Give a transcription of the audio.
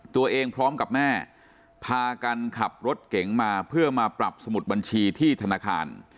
พร้อมกับแม่พากันขับรถเก๋งมาเพื่อมาปรับสมุดบัญชีที่ธนาคาร